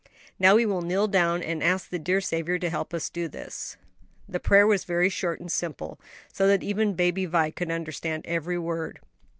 Now we will kneel down and ask the dear Saviour to help us to do this." The prayer was very short and simple; so that even Baby Vi could understand every word.